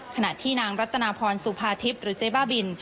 ขณะที่นางรัตนาพรสุภาทิพย์หรือเจ๊บ้าบิน